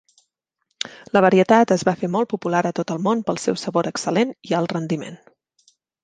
La varietat es va fer molt popular a tot el món pel seu sabor excel·lent i alt rendiment.